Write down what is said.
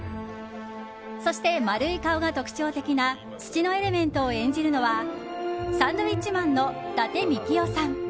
そして、丸い顔が特徴的な土のエレメントを演じるのはサンドウィッチマンの伊達みきおさん。